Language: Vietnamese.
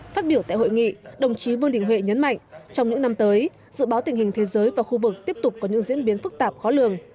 phát biểu tại hội nghị đồng chí vương đình huệ nhấn mạnh trong những năm tới dự báo tình hình thế giới và khu vực tiếp tục có những diễn biến phức tạp khó lường